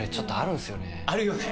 あるよね。